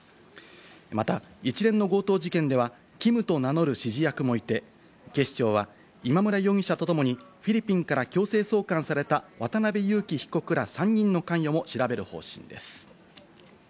また、一連の強盗事件では、キムと名乗る指示役もいて、警視庁は今村容疑者とともに、フィリピンから強制送還された渡辺優樹被告ら３人の関与も調べる方針です。